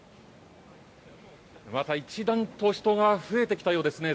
また一段と人が増えてきたようですね。